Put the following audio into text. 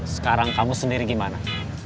sekarang kamu sendiri gimana